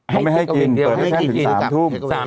เขาไม่ให้กินเปิดให้กิน๓ทุ่ม